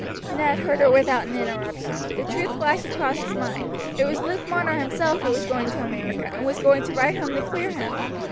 Ned heard her without an interruption. The truth flashed across his mind. It was Luke Marner himself who was going to America, and was going to write home to clear him.